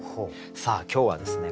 さあ今日はですね